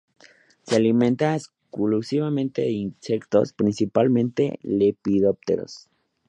Se alimenta exclusivamente de insectos, principalmente lepidópteros.